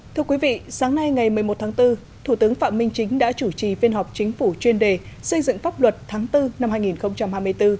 thưa quý vị sáng nay ngày một mươi một tháng bốn thủ tướng phạm minh chính đã chủ trì phiên họp chính phủ chuyên đề xây dựng pháp luật tháng bốn năm hai nghìn hai mươi bốn